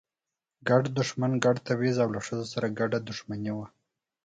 ګډ دښمن، ګډ تبعیض او له ښځو سره ګډه دښمني وه.